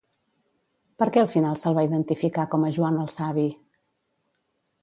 Per què al final se'l va identificar com a Joan el Savi?